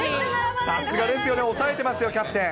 さすがですよね、押さえてますよ、キャプテン。